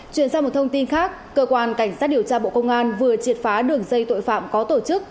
chuyển sang một thông tin khác cơ quan cảnh sát điều tra bộ công an vừa triệt phá đường dây tội phạm có tổ chức